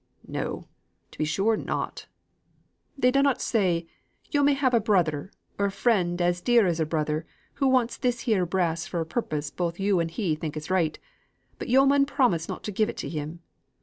"No; to be sure not!" "They dunnot say, 'Yo' may have a brother, or a friend as dear as a brother, who wants this here brass for a purpose both yo' and he think right; but yo' mun promise not give it to him.